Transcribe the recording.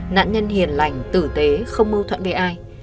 nạn nhân hiền lành tử tế không mâu thuẫn với ai